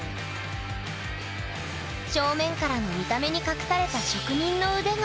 正面からの見た目に隠された職人の腕がそこにあった。